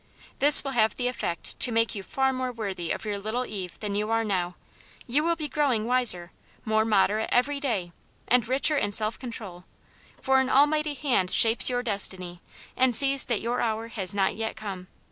This will have the effect to make you far more worthy of your little Eve than you are now ; you will be growing wiser, more moderate, every day, and richer in self control; for an Almighty hand shapes your destiny^ and sees that your hour has not yet come.